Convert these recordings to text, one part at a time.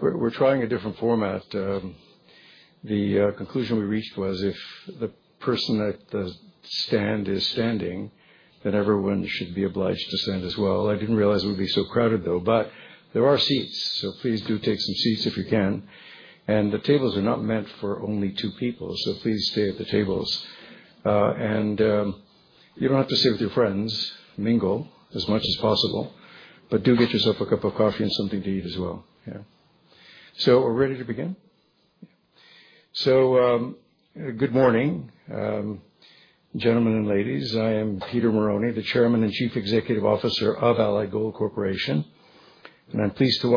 We're trying a different format. The conclusion we reached was if the person at the stand is standing, then everyone should be obliged to stand as well. I didn't realize it would be so crowded, though. There are seats, so please do take some seats if you can. The tables are not meant for only two people, so please stay at the tables. You don't have to sit with your friends. Mingle as much as possible, but do get yourself a cup of coffee and something to eat as well. Are we ready to begin? Good morning, gentlemen and ladies. I am Peter Marrone, the Chairman and Chief Executive Officer of Allied Gold Corporation. I'm pleased to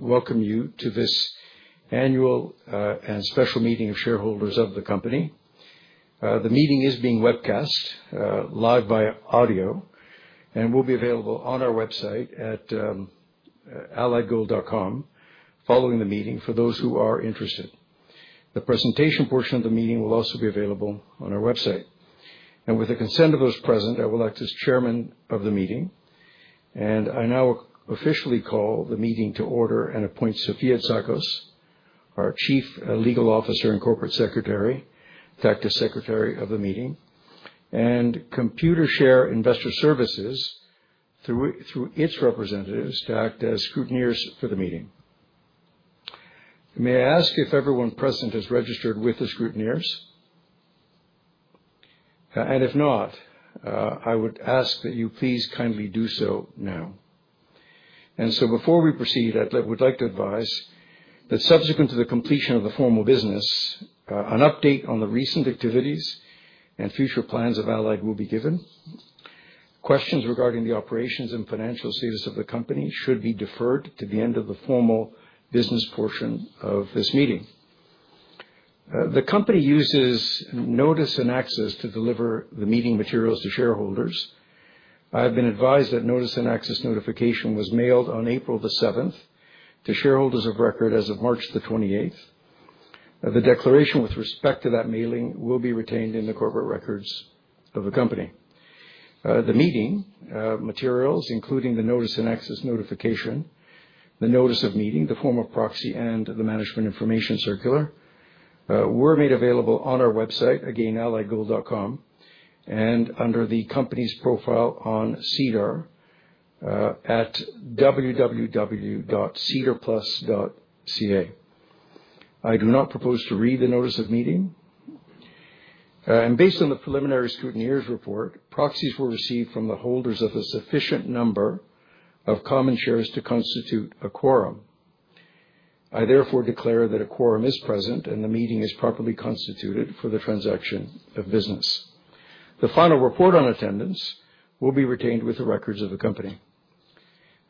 welcome you to this annual and special meeting of shareholders of the company. The meeting is being webcast, live by audio, and will be available on our website at alliedgold.com following the meeting for those who are interested. The presentation portion of the meeting will also be available on our website. With the consent of those present, I will act as Chairman of the meeting. I now officially call the meeting to order and appoint Sofia Tsakos, our Chief Legal Officer and Corporate Secretary, to act as Secretary of the meeting, and Computershare Investor Services through its representatives to act as scrutineers for the meeting. May I ask if everyone present has registered with the scrutineers? If not, I would ask that you please kindly do so now. Before we proceed, I would like to advise that subsequent to the completion of the formal business, an update on the recent activities and future plans of Allied will be given. Questions regarding the operations and financial status of the company should be deferred to the end of the formal business portion of this meeting. The company uses notice and access to deliver the meeting materials to shareholders. I have been advised that notice and access notification was mailed on April 7th to shareholders of record as of March 28th. The declaration with respect to that mailing will be retained in the corporate records of the company. The meeting materials, including the notice and access notification, the notice of meeting, the form of proxy, and the management information circular, were made available on our website, alliedgold.com, and under the company's profile on SEDAR+ at www.cedarplus.ca. I do not propose to read the notice of meeting. Based on the preliminary scrutineers report, proxies were received from the holders of a sufficient number of common shares to constitute a quorum. I therefore declare that a quorum is present and the meeting is properly constituted for the transaction of business. The final report on attendance will be retained with the records of the company.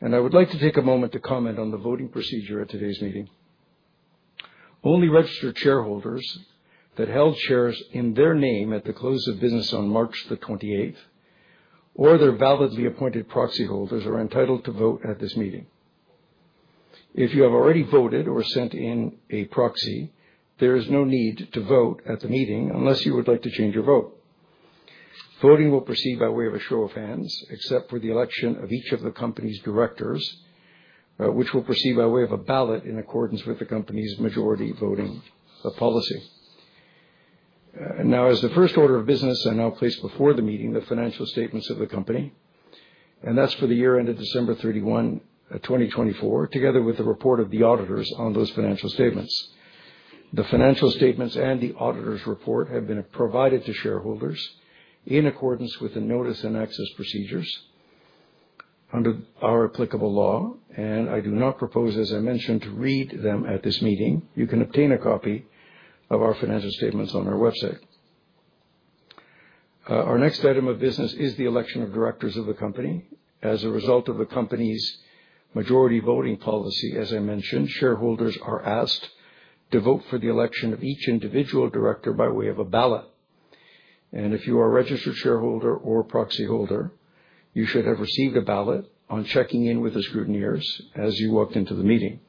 I would like to take a moment to comment on the voting procedure at today's meeting. Only registered shareholders that held shares in their name at the close of business on March 28 or their validly appointed proxy holders are entitled to vote at this meeting. If you have already voted or sent in a proxy, there is no need to vote at the meeting unless you would like to change your vote. Voting will proceed by way of a show of hands, except for the election of each of the company's directors, which will proceed by way of a ballot in accordance with the company's majority voting policy. Now, as the first order of business, I now place before the meeting the financial statements of the company. And that's for the year ended December 31, 2024, together with the report of the auditors on those financial statements. The financial statements and the auditor's report have been provided to shareholders in accordance with the notice and access procedures under our applicable law. I do not propose, as I mentioned, to read them at this meeting. You can obtain a copy of our financial statements on our website. Our next item of business is the election of directors of the company. As a result of the company's majority voting policy, as I mentioned, shareholders are asked to vote for the election of each individual director by way of a ballot. If you are a registered shareholder or proxy holder, you should have received a ballot on checking in with the scrutineers as you walked into the meeting.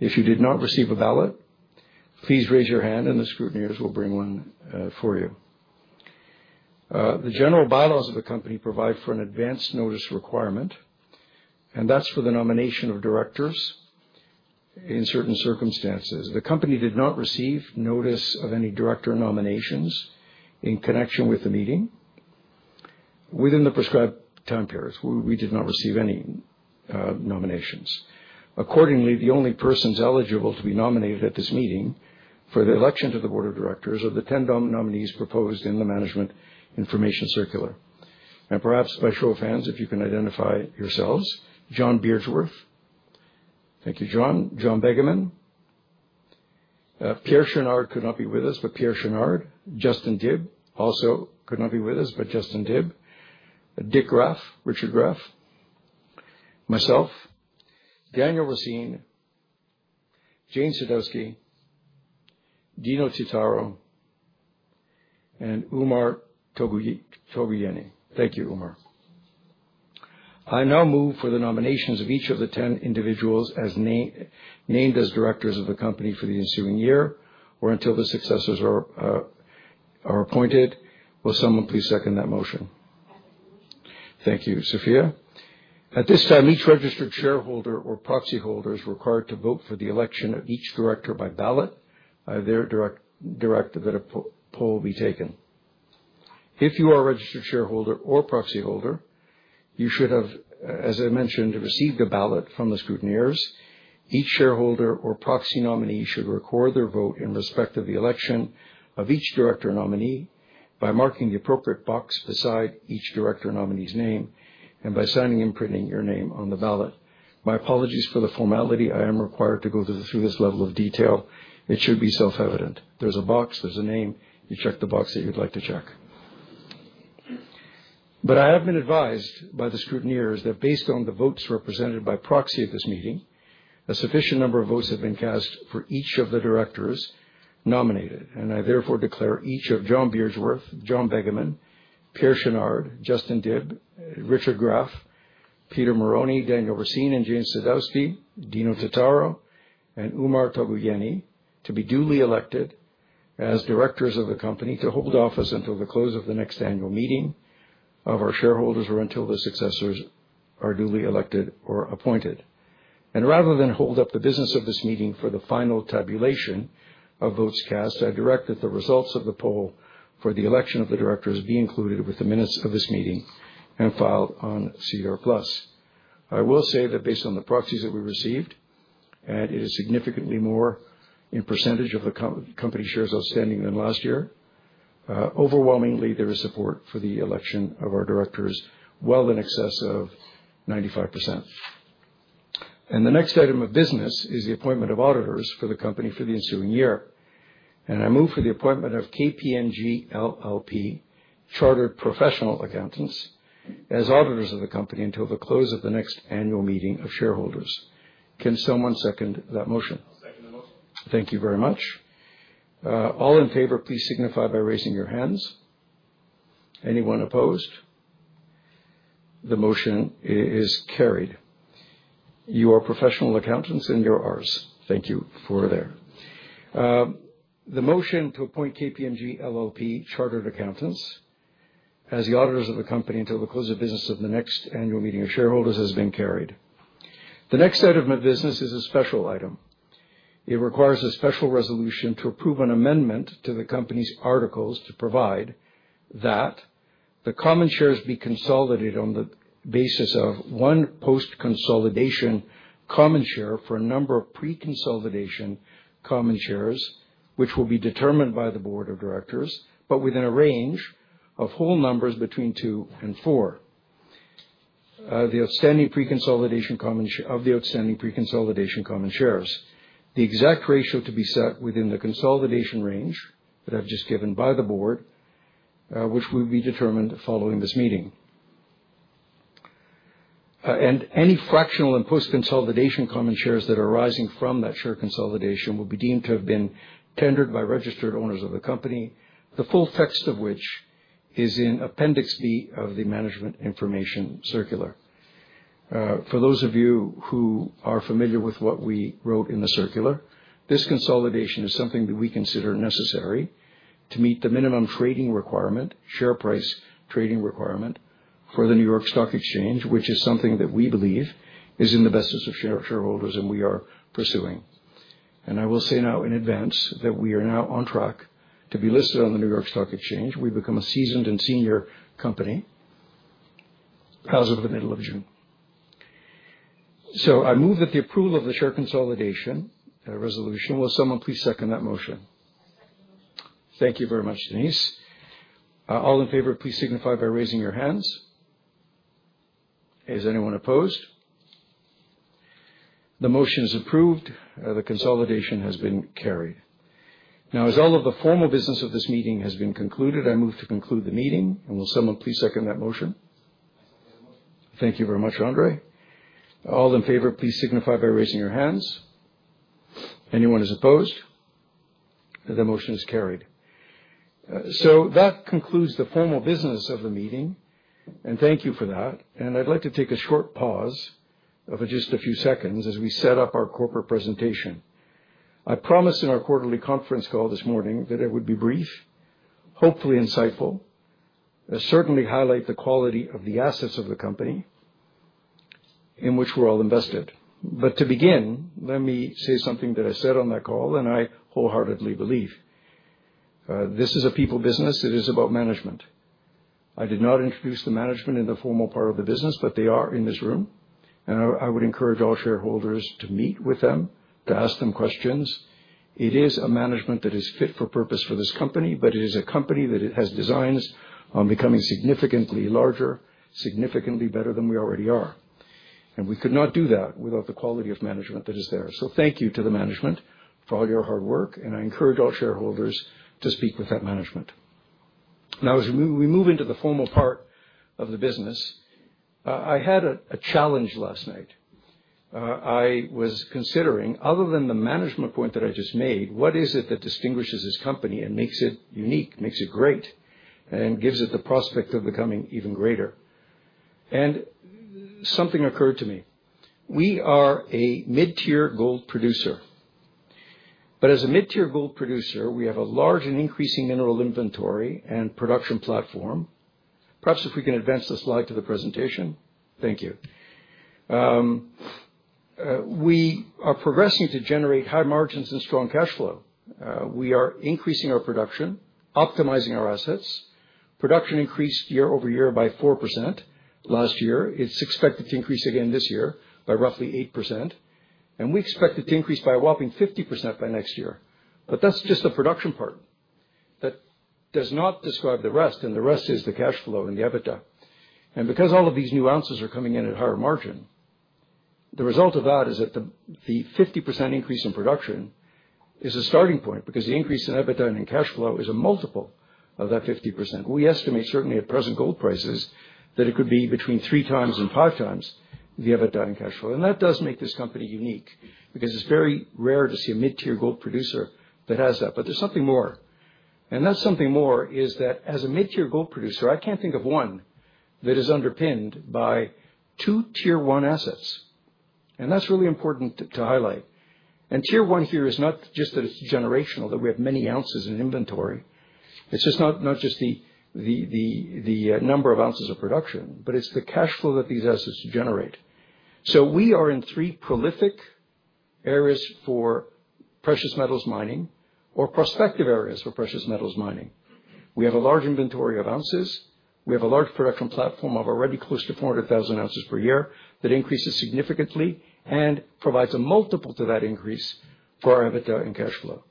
If you did not receive a ballot, please raise your hand and the scrutineers will bring one for you. The general bylaws of the company provide for an advanced notice requirement, and that's for the nomination of directors in certain circumstances. The company did not receive notice of any director nominations in connection with the meeting within the prescribed time periods. We did not receive any nominations. Accordingly, the only persons eligible to be nominated at this meeting for the election to the board of directors are the 10 nominees proposed in the management information circular. Perhaps by show of hands, if you can identify yourselves, John Beardsworth. Thank you, John. John Begeman. Pierre Chenard could not be with us, but Pierre Chenard. Justin Dib also could not be with us, but Justin Dib. Dick Graf, Richard Graf. Myself. Daniel Racine. Jane Sadowski. Dino Titaro. And Umar Togoyeni. Thank you, Umar. I now move for the nominations of each of the 10 individuals named as directors of the company for the ensuing year or until the successors are appointed. Will someone please second that motion? I second the motion. Thank you, Sofia. At this time, each registered shareholder or proxy holder is required to vote for the election of each director by ballot either direct or direct that a poll be taken. If you are a registered shareholder or proxy holder, you should have, as I mentioned, received a ballot from the scrutineers. Each shareholder or proxy nominee should record their vote in respect of the election of each director nominee by marking the appropriate box beside each director nominee's name and by signing and printing your name on the ballot. My apologies for the formality. I am required to go through this level of detail. It should be self-evident. There's a box, there's a name. You check the box that you'd like to check. I have been advised by the scrutineers that based on the votes represented by proxy at this meeting, a sufficient number of votes have been cast for each of the directors nominated. I therefore declare each of John Beardsworth, John Begeman, Pierre Chenard, Justin Dib, Richard Graf, Peter Marrone, Daniel Racine, Jane Sadowski, Dino Titaro, and Umar Togoyeni to be duly elected as directors of the company to hold office until the close of the next annual meeting of our shareholders or until the successors are duly elected or appointed. Rather than hold up the business of this meeting for the final tabulation of votes cast, I direct that the results of the poll for the election of the directors be included with the minutes of this meeting and filed on SEDAR+. I will say that based on the proxies that we received, and it is significantly more in percentage of the company shares outstanding than last year, overwhelmingly there is support for the election of our directors well in excess of 95%. The next item of business is the appointment of auditors for the company for the ensuing year. I move for the appointment of KPMG LLP Chartered Professional Accountants as auditors of the company until the close of the next annual meeting of shareholders. Can someone second that motion? I'll second the motion. Thank you very much. All in favor, please signify by raising your hands. Anyone opposed? The motion is carried. You are professional accountants and you're ours. Thank you for that. The motion to appoint KPMG LLP Chartered Accountants as the auditors of the company until the close of business of the next annual meeting of shareholders has been carried. The next item of business is a special item. It requires a special resolution to approve an amendment to the company's articles to provide that the common shares be consolidated on the basis of one post-consolidation common share for a number of pre-consolidation common shares, which will be determined by the board of directors, but within a range of whole numbers between two and four of the outstanding pre-consolidation common shares. The exact ratio to be set within the consolidation range that I've just given by the board, which will be determined following this meeting. Any fractional and post-consolidation common shares that are arising from that share consolidation will be deemed to have been tendered by registered owners of the company, the full text of which is in Appendix B of the management information circular. For those of you who are familiar with what we wrote in the circular, this consolidation is something that we consider necessary to meet the minimum trading requirement, share price trading requirement for the New York Stock Exchange, which is something that we believe is in the best interest of shareholders and we are pursuing. I will say now in advance that we are now on track to be listed on the New York Stock Exchange. We've become a seasoned and senior company as of the middle of June. I move that the approval of the share consolidation resolution. Will someone please second that motion? I second the motion. Thank you very much, Denise. All in favor, please signify by raising your hands. Is anyone opposed? The motion is approved. The consolidation has been carried. Now, as all of the formal business of this meeting has been concluded, I move to conclude the meeting. Will someone please second that motion? I second the motion. Thank you very much, Andre. All in favor, please signify by raising your hands. Anyone is opposed? The motion is carried. That concludes the formal business of the meeting. Thank you for that. I'd like to take a short pause of just a few seconds as we set up our corporate presentation. I promised in our quarterly conference call this morning that it would be brief, hopefully insightful, certainly highlight the quality of the assets of the company in which we're all invested. To begin, let me say something that I said on that call and I wholeheartedly believe. This is a people business. It is about management. I did not introduce the management in the formal part of the business, but they are in this room. I would encourage all shareholders to meet with them, to ask them questions. It is a management that is fit for purpose for this company, but it is a company that has designs on becoming significantly larger, significantly better than we already are. We could not do that without the quality of management that is there. Thank you to the management for all your hard work. I encourage all shareholders to speak with that management. Now, as we move into the formal part of the business, I had a challenge last night. I was considering, other than the management point that I just made, what is it that distinguishes this company and makes it unique, makes it great, and gives it the prospect of becoming even greater? Something occurred to me. We are a mid-tier gold producer. As a mid-tier gold producer, we have a large and increasing mineral inventory and production platform. Perhaps if we can advance the slide to the presentation. Thank you. We are progressing to generate high margins and strong cash flow. We are increasing our production, optimizing our assets. Production increased year-over-year by 4% last year. It is expected to increase again this year by roughly 8%. We expect it to increase by a whopping 50% by next year. That is just the production part. That does not describe the rest. The rest is the cash flow and the EBITDA. Because all of these new ounces are coming in at higher margin, the result of that is that the 50% increase in production is a starting point because the increase in EBITDA and in cash flow is a multiple of that 50%. We estimate certainly at present gold prices that it could be between three times and five times the EBITDA and cash flow. That does make this company unique because it's very rare to see a mid-tier gold producer that has that. There is something more. That something more is that as a mid-tier gold producer, I can't think of one that is underpinned by two tier one assets. That is really important to highlight. Tier one here is not just that it's generational, that we have many ounces in inventory. It's not just the number of ounces of production, but it's the cash flow that these assets generate. We are in three prolific areas for precious metals mining or prospective areas for precious metals mining. We have a large inventory of ounces. We have a large production platform of already close to 400,000 ounces per year that increases significantly and provides a multiple to that increase for our EBITDA and cash flow.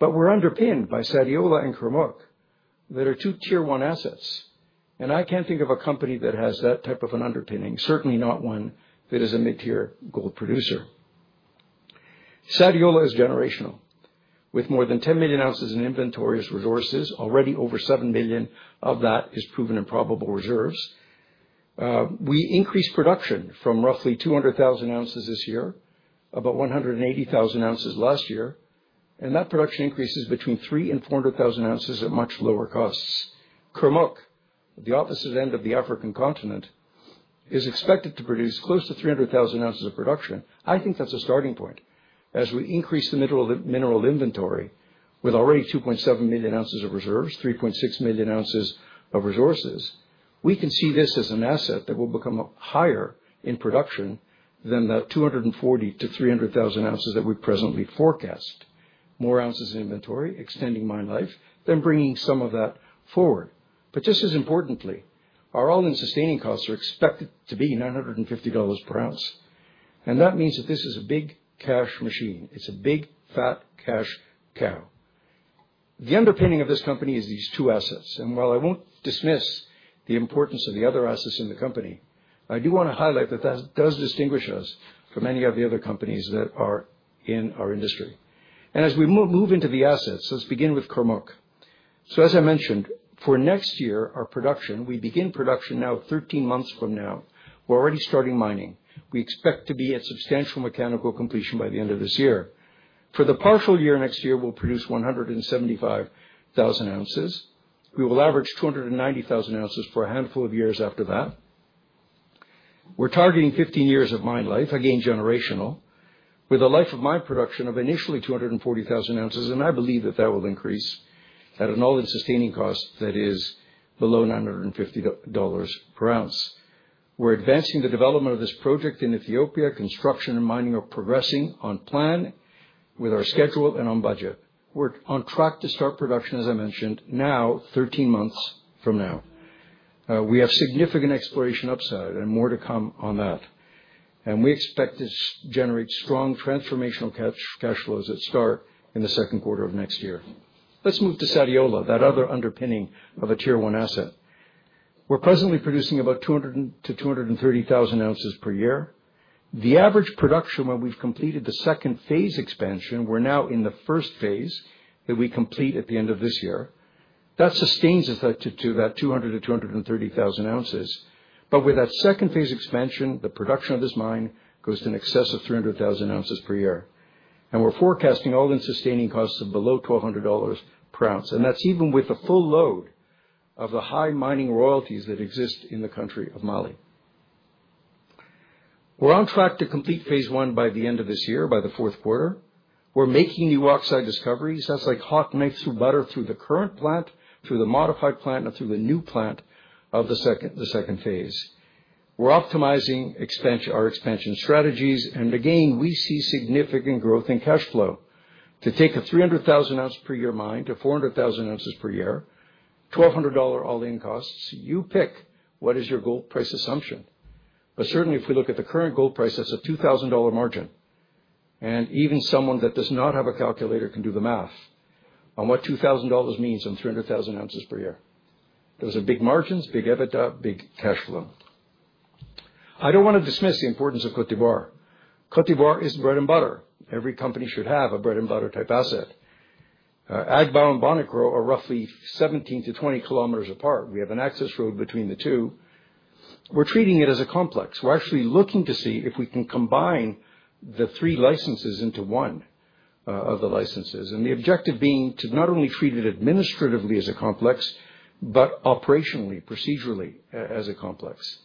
We're underpinned by Sadiola and Kurmuk that are two tier one assets. I can't think of a company that has that type of an underpinning, certainly not one that is a mid-tier gold producer. Sadiola is generational. With more than 10 million ounces in inventory as resources, already over 7 million of that is proven and probable reserves. We increased production from roughly 200,000 ounces this year, about 180,000 ounces last year. That production increases between 300,000-400,000 ounces at much lower costs. Kurmuk, the opposite end of the African continent, is expected to produce close to 300,000 ounces of production. I think that's a starting point. As we increase the mineral inventory with already 2.7 million ounces of reserves, 3.6 million ounces of resources, we can see this as an asset that will become higher in production than the 240,000-300,000 ounces that we've presently forecast. More ounces in inventory, extending mine life, then bringing some of that forward. Just as importantly, our all-in sustaining costs are expected to be $950 per ounce. That means that this is a big cash machine. It's a big fat cash cow. The underpinning of this company is these two assets. While I won't dismiss the importance of the other assets in the company, I do want to highlight that that does distinguish us from any of the other companies that are in our industry. As we move into the assets, let's begin with Kurmuk. As I mentioned, for next year, our production, we begin production now 13 months from now. We're already starting mining. We expect to be at substantial mechanical completion by the end of this year. For the partial year next year, we'll produce 175,000 ounces. We will average 290,000 ounces for a handful of years after that. We're targeting 15 years of mine life, again generational, with a life of mine production of initially 240,000 ounces. I believe that that will increase at an all-in sustaining cost that is below $950 per ounce. We're advancing the development of this project in Ethiopia. Construction and mining are progressing on plan with our schedule and on budget. We're on track to start production, as I mentioned, now 13 months from now. We have significant exploration upside and more to come on that. We expect to generate strong transformational cash flows at start in the second quarter of next year. Let's move to Sadiola, that other underpinning of a tier one asset. We are presently producing about 200,000-230,000 ounces per year. The average production when we have completed the second phase expansion, we are now in the first phase that we complete at the end of this year. That sustains us to that 200,000-230,000 ounces. With that second phase expansion, the production of this mine goes to an excess of 300,000 ounces per year. We are forecasting all-in sustaining costs of below $1,200 per ounce. That is even with the full load of the high mining royalties that exist in the country of Mali. We are on track to complete phase one by the end of this year, by the fourth quarter. We are making new oxide discoveries. That's like hot knife through butter through the current plant, through the modified plant, and through the new plant of the second phase. We're optimizing our expansion strategies. Again, we see significant growth in cash flow to take a 300,000 ounce per year mine to 400,000 ounces per year, $1,200 all-in costs. You pick what is your gold price assumption. Certainly, if we look at the current gold price, that's a $2,000 margin. Even someone that does not have a calculator can do the math on what $2,000 means on 300,000 ounces per year. Those are big margins, big EBITDA, big cash flow. I don't want to dismiss the importance of Côte d'Ivoire. Côte d'Ivoire is bread and butter. Every company should have a bread and butter type asset. Agboville and Bonikro are roughly 17-20 kilometers apart. We have an access road between the two. We're treating it as a complex. We're actually looking to see if we can combine the three licenses into one of the licenses. The objective being to not only treat it administratively as a complex, but operationally, procedurally as a complex.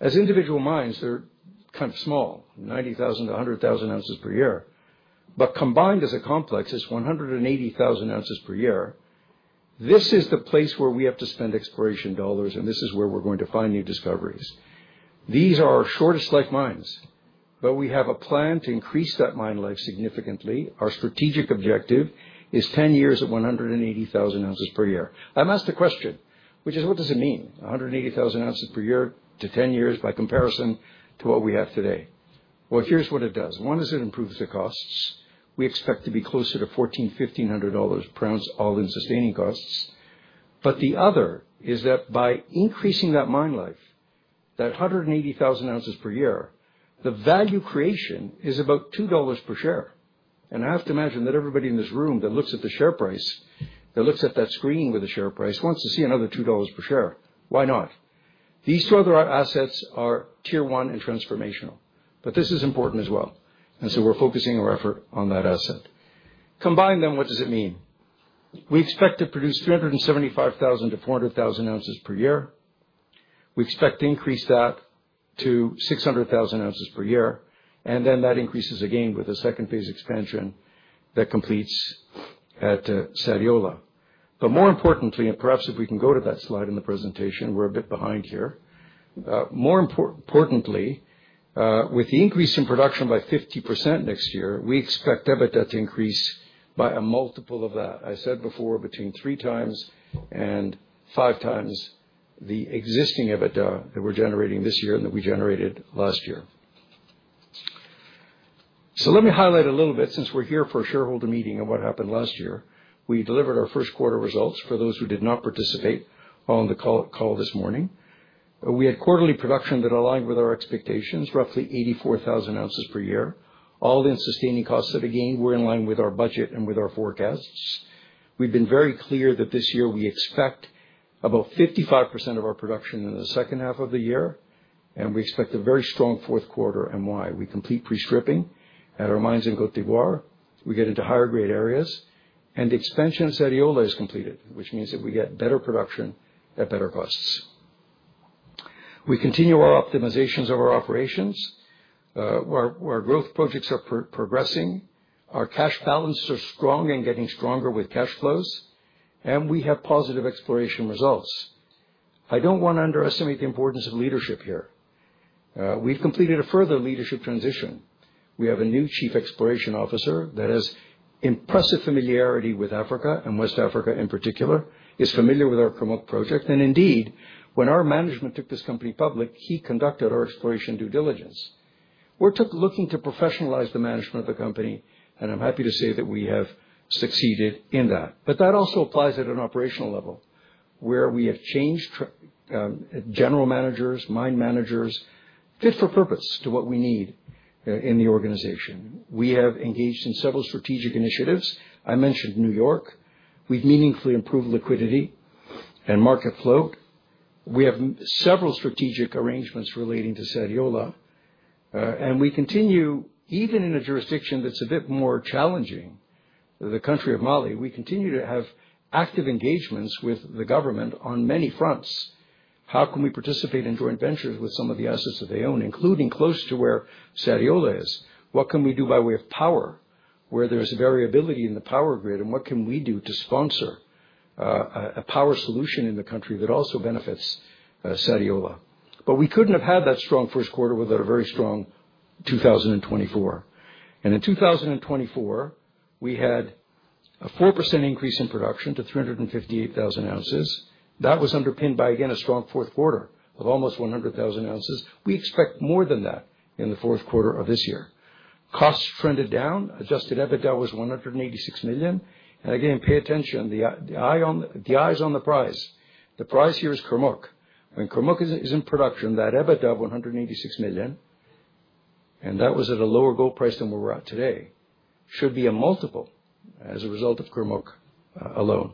As individual mines, they're kind of small, 90,000 to 100,000 ounces per year. Combined as a complex, it's 180,000 ounces per year. This is the place where we have to spend exploration dollars, and this is where we're going to find new discoveries. These are our shortest life mines, but we have a plan to increase that mine life significantly. Our strategic objective is 10 years at 180,000 ounces per year. I'm asked a question, which is, what does it mean, 180,000 ounces per year to 10 years by comparison to what we have today? Here's what it does. One, as it improves the costs, we expect to be closer to $1,400-$1,500 per ounce all-in sustaining costs. The other is that by increasing that mine life, that 180,000 ounces per year, the value creation is about $2 per share. I have to imagine that everybody in this room that looks at the share price, that looks at that screen with the share price, wants to see another $2 per share. Why not? These two other assets are tier one and transformational. This is important as well. We are focusing our effort on that asset. Combined then, what does it mean? We expect to produce 375,000-400,000 ounces per year. We expect to increase that to 600,000 ounces per year. That increases again with the second phase expansion that completes at Sadiola. More importantly, and perhaps if we can go to that slide in the presentation, we're a bit behind here. More importantly, with the increase in production by 50% next year, we expect EBITDA to increase by a multiple of that I said before, between three times and five times the existing EBITDA that we're generating this year and that we generated last year. Let me highlight a little bit. Since we're here for a shareholder meeting of what happened last year, we delivered our first quarter results for those who did not participate on the call this morning. We had quarterly production that aligned with our expectations, roughly 84,000 ounces per quarter. All-in sustaining costs that again were in line with our budget and with our forecasts. We've been very clear that this year we expect about 55% of our production in the second half of the year. We expect a very strong fourth quarter. We complete pre-stripping at our mines in Côte d’Ivoire. We get into higher grade areas. The expansion of Sadiola is completed, which means that we get better production at better costs. We continue our optimizations of our operations. Our growth projects are progressing. Our cash balance is strong and getting stronger with cash flows. We have positive exploration results. I do not want to underestimate the importance of leadership here. We have completed a further leadership transition. We have a new Chief Exploration Officer that has impressive familiarity with Africa and West Africa in particular, is familiar with our Kurmuk project. Indeed, when our management took this company public, he conducted our exploration due diligence. We are looking to professionalize the management of the company. I am happy to say that we have succeeded in that. That also applies at an operational level where we have changed general managers, mine managers, fit for purpose to what we need in the organization. We have engaged in several strategic initiatives. I mentioned New York. We've meaningfully improved liquidity and market float. We have several strategic arrangements relating to Sadiola. We continue, even in a jurisdiction that's a bit more challenging, the country of Mali, to have active engagements with the government on many fronts. How can we participate in joint ventures with some of the assets that they own, including close to where Sadiola is? What can we do by way of power where there's variability in the power grid? What can we do to sponsor a power solution in the country that also benefits Sadiola? We couldn't have had that strong first quarter without a very strong 2024. In 2024, we had a 4% increase in production to 358,000 ounces. That was underpinned by, again, a strong fourth quarter of almost 100,000 ounces. We expect more than that in the fourth quarter of this year. Costs trended down. Adjusted EBITDA was $186 million. Again, pay attention. The eyes on the prize. The prize here is Kurmuk. When Kurmuk is in production, that EBITDA of $186 million, and that was at a lower gold price than where we are at today, should be a multiple as a result of Kurmuk alone.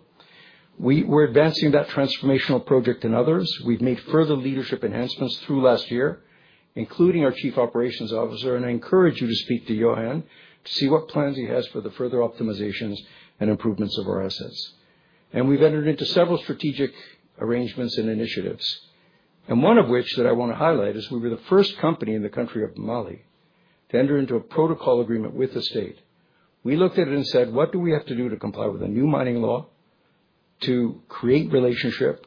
We are advancing that transformational project and others. We have made further leadership enhancements through last year, including our Chief Operations Officer. I encourage you to speak to Johan to see what plans he has for the further optimizations and improvements of our assets. We have entered into several strategic arrangements and initiatives. One of which that I want to highlight is we were the first company in the country of Mali to enter into a protocol agreement with the state. We looked at it and said, what do we have to do to comply with a new mining law, to create relationship,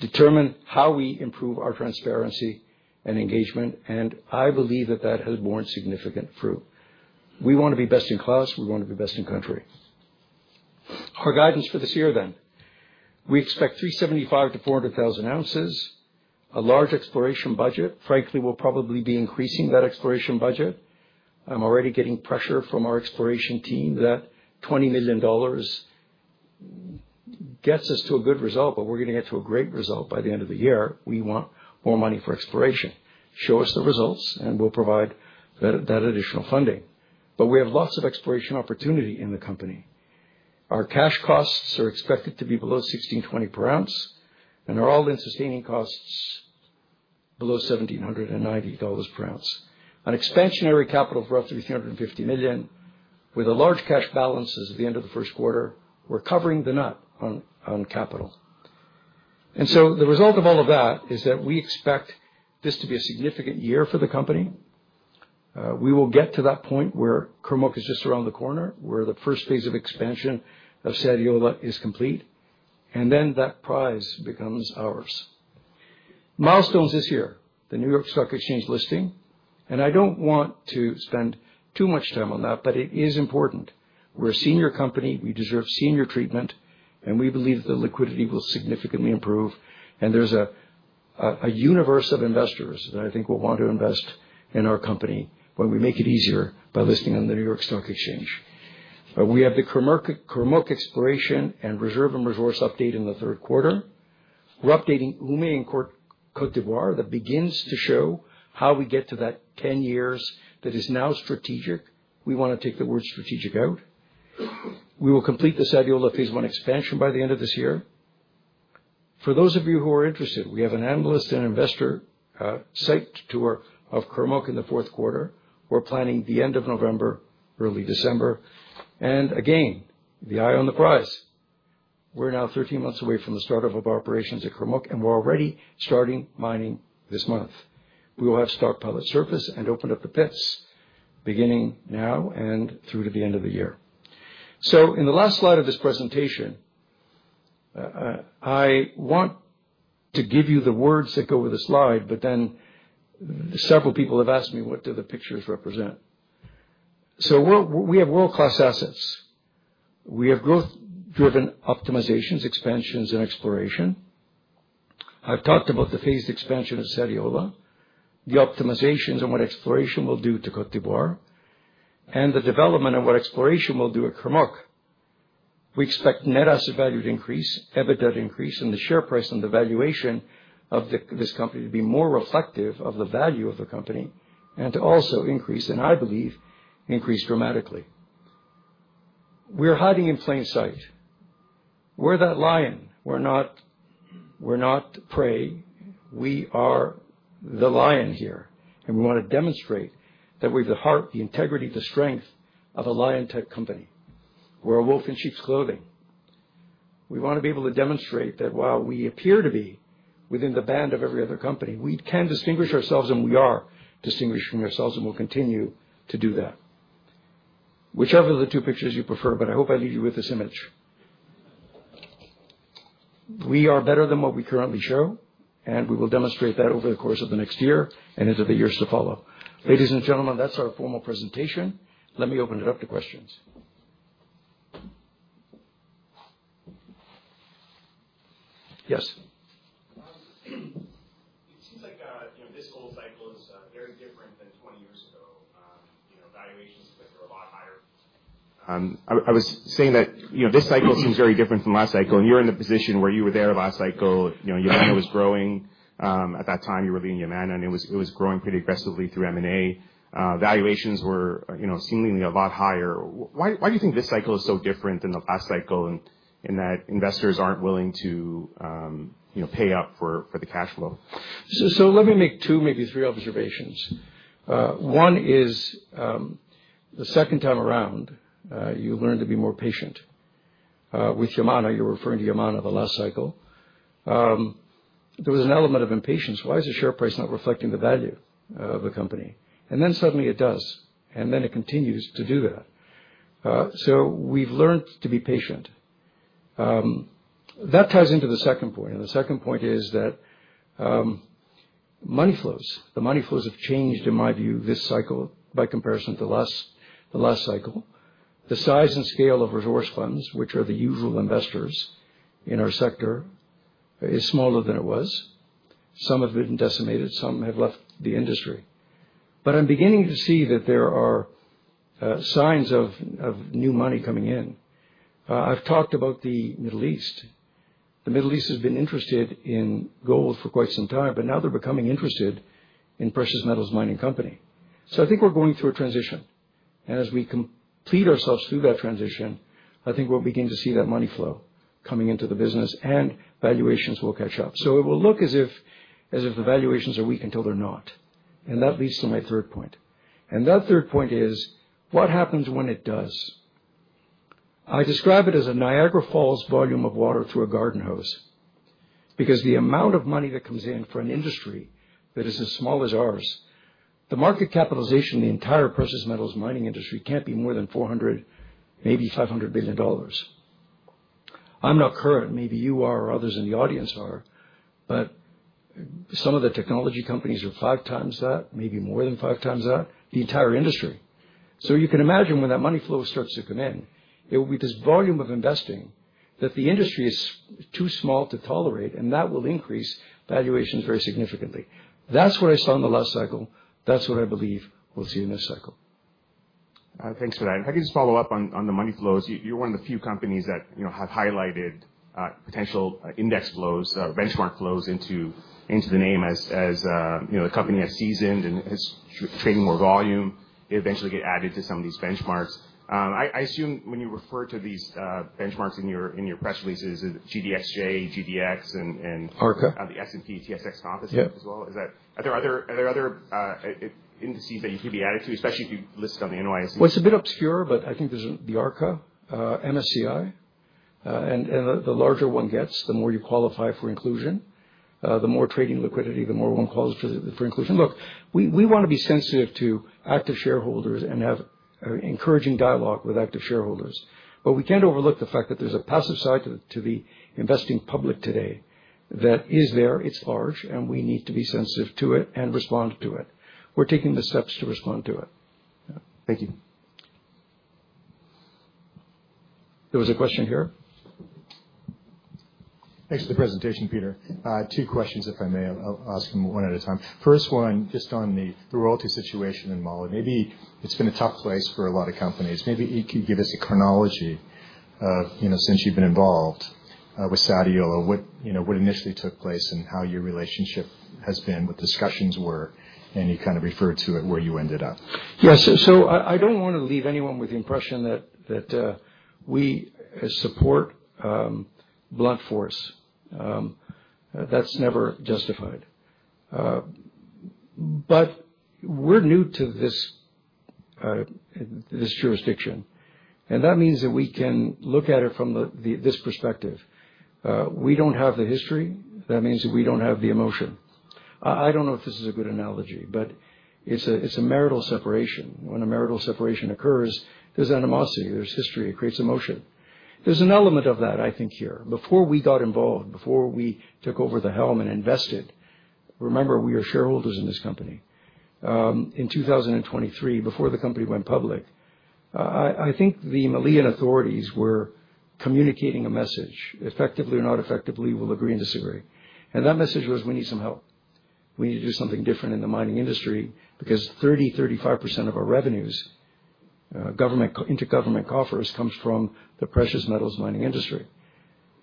determine how we improve our transparency and engagement? I believe that that has borne significant fruit. We want to be best in class. We want to be best in country. Our guidance for this year then, we expect 375,000-400,000 ounces, a large exploration budget. Frankly, we'll probably be increasing that exploration budget. I'm already getting pressure from our exploration team that $20 million gets us to a good result, but we're going to get to a great result by the end of the year. We want more money for exploration. Show us the results, and we'll provide that additional funding. We have lots of exploration opportunity in the company. Our cash costs are expected to be below $1,620 per ounce and our all-in sustaining costs below $1,790 per ounce. On expansionary capital for roughly $350 million, with a large cash balance as of the end of the first quarter, we're covering the nut on capital. The result of all of that is that we expect this to be a significant year for the company. We will get to that point where Kurmuk is just around the corner, where the first phase of expansion of Sadiola is complete, and then that prize becomes ours. Milestones this year, the New York Stock Exchange listing. I don't want to spend too much time on that, but it is important. We're a senior company. We deserve senior treatment. We believe the liquidity will significantly improve. There is a universe of investors that I think will want to invest in our company when we make it easier by listing on the New York Stock Exchange. We have the Kurmuk exploration and reserve and resource update in the third quarter. We are updating Ume and Côte d’Ivoire that begins to show how we get to that 10 years that is now strategic. We want to take the word strategic out. We will complete the Sadiola phase one expansion by the end of this year. For those of you who are interested, we have an analyst and investor site tour of Kurmuk in the fourth quarter. We are planning the end of November, early December. Again, the eye on the prize. We are now 13 months away from the start of our operations at Kurmuk, and we are already starting mining this month. We will have stockpile at surface and open up the pits beginning now and through to the end of the year. In the last slide of this presentation, I want to give you the words that go with the slide, but then several people have asked me, what do the pictures represent? We have world-class assets. We have growth-driven optimizations, expansions, and exploration. I've talked about the phased expansion of Sadiola, the optimizations and what exploration will do to Côte d'Ivoire, and the development of what exploration will do at Kurmuk. We expect net asset value to increase, EBITDA to increase, and the share price and the valuation of this company to be more reflective of the value of the company and to also increase, and I believe, increase dramatically. We're hiding in plain sight. We're that lion. We're not prey. We are the lion here. We want to demonstrate that we have the heart, the integrity, the strength of a lion-type company. We're a wolf in sheep's clothing. We want to be able to demonstrate that while we appear to be within the band of every other company, we can distinguish ourselves and we are distinguishing ourselves and we'll continue to do that. Whichever of the two pictures you prefer, but I hope I leave you with this image. We are better than what we currently show, and we will demonstrate that over the course of the next year and into the years to follow. Ladies and gentlemen, that's our formal presentation. Let me open it up to questions. Yes. It seems like this whole cycle is very different than 20 years ago. Valuations look like they're a lot higher. I was saying that this cycle seems very different from last cycle. You're in the position where you were there last cycle. Yamana was growing. At that time, you were leading Yamana, and it was growing pretty aggressively through M&A. Valuations were seemingly a lot higher. Why do you think this cycle is so different than the last cycle in that investors aren't willing to pay up for the cash flow? Let me make two, maybe three observations. One is, the second time around, you learn to be more patient. With Yamana, you're referring to Yamana the last cycle. There was an element of impatience. Why is the share price not reflecting the value of the company? Then suddenly it does. Then it continues to do that. We've learned to be patient. That ties into the second point. The second point is that money flows, the money flows have changed, in my view, this cycle by comparison to last cycle. The size and scale of resource funds, which are the usual investors in our sector, is smaller than it was. Some have been decimated. Some have left the industry. I'm beginning to see that there are signs of new money coming in. I've talked about the Middle East. The Middle East has been interested in gold for quite some time, but now they're becoming interested in precious metals mining company. I think we're going through a transition. As we complete ourselves through that transition, I think we'll begin to see that money flow coming into the business and valuations will catch up. It will look as if the valuations are weak until they're not. That leads to my third point. That third point is, what happens when it does? I describe it as a Niagara Falls volume of water through a garden hose. Because the amount of money that comes in for an industry that is as small as ours, the market capitalization of the entire precious metals mining industry cannot be more than $400 billion, maybe $500 billion. I am not current. Maybe you are or others in the audience are. Some of the technology companies are five times that, maybe more than five times that, the entire industry. You can imagine when that money flow starts to come in, it will be this volume of investing that the industry is too small to tolerate, and that will increase valuations very significantly. That is what I saw in the last cycle. That is what I believe we will see in this cycle. Thanks, Brian. If I could just follow up on the money flows, you're one of the few companies that have highlighted potential index flows, benchmark flows into the name as a company has seasoned and has trading more volume. They eventually get added to some of these benchmarks. I assume when you refer to these benchmarks in your press releases, GDXJ, GDX, and the S&P TSX Composite as well. Are there other indices that you could be added to, especially if you listed on the New York Stock Exchange? It is a bit obscure, but I think there's the ARCA, MSCI. And the larger one gets, the more you qualify for inclusion. The more trading liquidity, the more one qualifies for inclusion. Look, we want to be sensitive to active shareholders and have encouraging dialogue with active shareholders. We can't overlook the fact that there's a passive side to the investing public today that is there. It's large, and we need to be sensitive to it and respond to it. We're taking the steps to respond to it. Thank you. There was a question here. Thanks for the presentation, Peter. Two questions, if I may. I'll ask them one at a time. First one, just on the royalty situation in Mali. Maybe it's been a tough place for a lot of companies. Maybe you could give us a chronology since you've been involved with Sadiola. What initially took place and how your relationship has been, what discussions were, and you kind of referred to it where you ended up. Yes. I don't want to leave anyone with the impression that we support blunt force. That's never justified. We're new to this jurisdiction. That means that we can look at it from this perspective. We do not have the history. That means that we do not have the emotion. I do not know if this is a good analogy, but it is a marital separation. When a marital separation occurs, there is animosity. There is history. It creates emotion. There is an element of that, I think, here. Before we got involved, before we took over the helm and invested, remember, we are shareholders in this company. In 2023, before the company went public, I think the Malian authorities were communicating a message, effectively or not effectively, we will agree and disagree. That message was, we need some help. We need to do something different in the mining industry because 30%-35% of our revenues, intergovernment coffers, comes from the precious metals mining industry.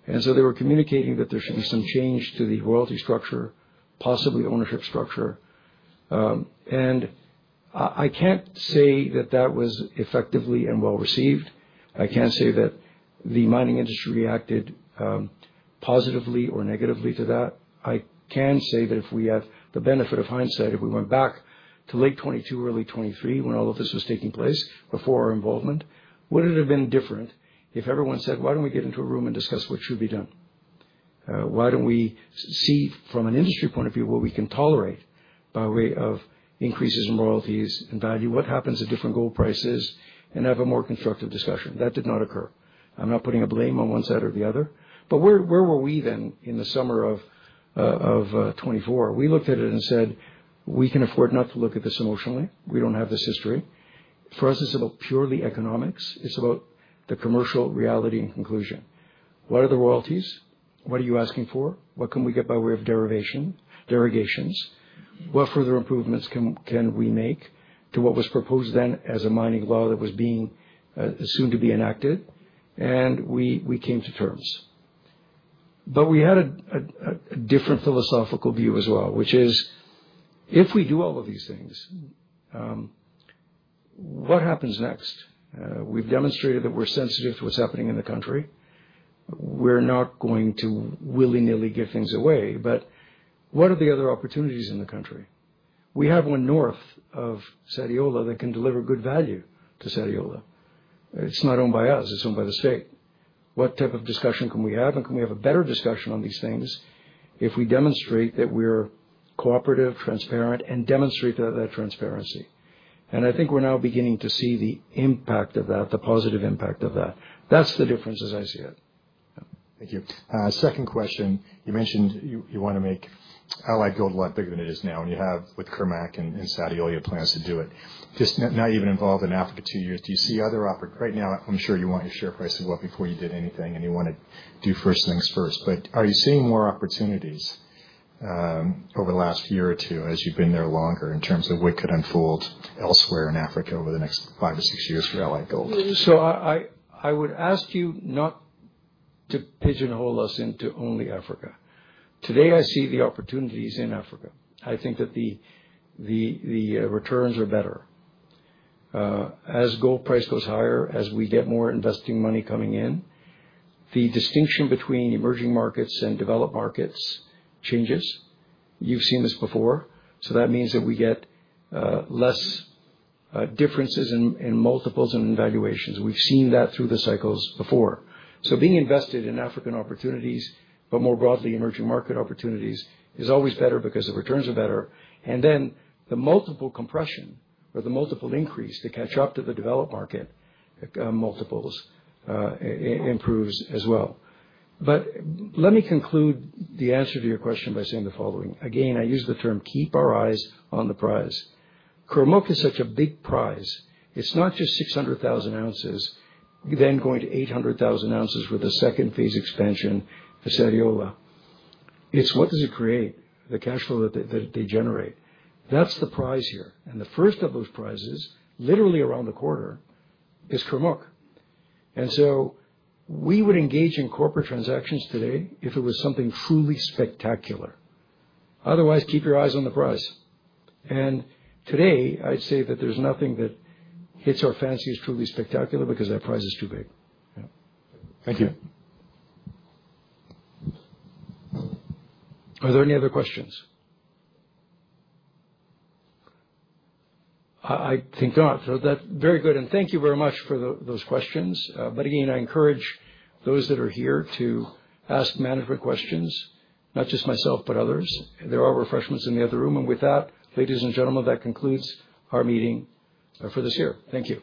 They were communicating that there should be some change to the royalty structure, possibly ownership structure. I cannot say that that was effectively and well received. I cannot say that the mining industry reacted positively or negatively to that. I can say that if we had the benefit of hindsight, if we went back to late 2022, early 2023, when all of this was taking place before our involvement, would it have been different if everyone said, why do we not get into a room and discuss what should be done? Why do we not see from an industry point of view what we can tolerate by way of increases in royalties and value? What happens if different gold prices and have a more constructive discussion? That did not occur. I am not putting a blame on one side or the other. Where were we then in the summer of 2024? We looked at it and said, we can afford not to look at this emotionally. We do not have this history. For us, it is about purely economics. It is about the commercial reality and conclusion. What are the royalties? What are you asking for? What can we get by way of derogations? What further improvements can we make to what was proposed then as a mining law that was soon to be enacted? We came to terms. We had a different philosophical view as well, which is, if we do all of these things, what happens next? We have demonstrated that we are sensitive to what is happening in the country. We are not going to willy-nilly give things away. What are the other opportunities in the country? We have one north of Sadiola that can deliver good value to Sadiola. It's not owned by us. It's owned by the state. What type of discussion can we have? Can we have a better discussion on these things if we demonstrate that we're cooperative, transparent, and demonstrate that transparency? I think we're now beginning to see the impact of that, the positive impact of that. That's the difference as I see it. Thank you. Second question. You mentioned you want to make Allied Gold a lot bigger than it is now. You have with Kurmuk and Sadiola plans to do it. Just not even involved in Africa two years. Do you see other right now, I'm sure you want your share price to go up before you did anything, and you want to do first things first. Are you seeing more opportunities over the last year or two as you've been there longer in terms of what could unfold elsewhere in Africa over the next five or six years for Allied Gold? I would ask you not to pigeonhole us into only Africa. Today, I see the opportunities in Africa. I think that the returns are better. As gold price goes higher, as we get more investing money coming in, the distinction between emerging markets and developed markets changes. You've seen this before. That means that we get less differences in multiples and in valuations. We've seen that through the cycles before. Being invested in African opportunities, but more broadly emerging market opportunities, is always better because the returns are better. Then the multiple compression or the multiple increase to catch up to the developed market multiples improves as well. Let me conclude the answer to your question by saying the following. Again, I use the term, keep our eyes on the prize. Kurmuk is such a big prize. It's not just 600,000 ounces, then going to 800,000 ounces with a second phase expansion for Sadiola. It's what does it create, the cash flow that they generate. That's the prize here. The first of those prizes, literally around the corner, is Kurmuk. We would engage in corporate transactions today if it was something truly spectacular. Otherwise, keep your eyes on the prize. Today, I'd say that there's nothing that hits our fancies truly spectacular because that prize is too big. Thank you. Are there any other questions? I think not. Very good. Thank you very much for those questions. Again, I encourage those that are here to ask management questions, not just myself, but others. There are refreshments in the other room. With that, ladies and gentlemen, that concludes our meeting for this year. Thank you.